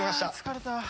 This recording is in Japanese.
あ疲れた。